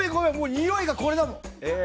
においがこれだもん！